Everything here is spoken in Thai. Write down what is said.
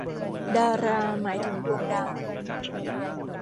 ดารา หมายถึงดวงดาว